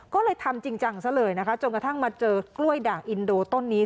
ก็เลยทำจริงจังซะเลยนะคะจนกระทั่งมาเจอกล้วยด่างอินโดต้นนี้